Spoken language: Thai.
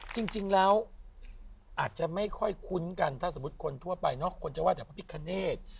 ภรรพินาภพอาจจะไม่ค่อยคุ้นกันถ้าทำถั่วไปนะคนจะว่าจากพระพิวเคณธ